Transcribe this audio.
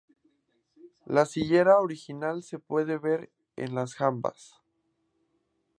La sillería original se puede ver en las jambas.